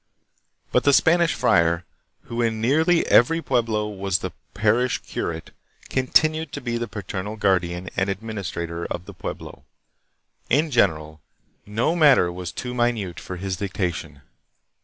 But the Spanish friar, who in nearly every pueblo was the parish curate, continued to be the paternal guardian and administrator of the pueblo. In general, no matter was too minute for his dictation.